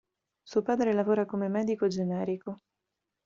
Suo padre lavora come medico generico.